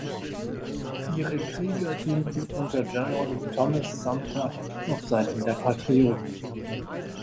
Ihre Krieger dienten unter General Thomas Sumter auf Seiten der Patrioten.